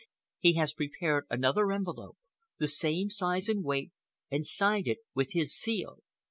He has prepared another envelope, the same size and weight, and signed it with his seal.